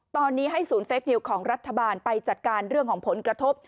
ตอนนี้ให้ศูนย์เฟคนิวของรัฐบาลไปจัดการเรื่องของผลกระทบ